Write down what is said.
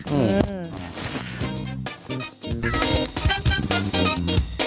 อืม